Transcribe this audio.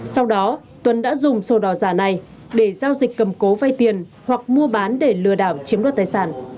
sau đó tuấn đã dùng sổ đỏ giả này để giao dịch cầm cố vay tiền hoặc mua bán để lừa đảo chiếm đoạt tài sản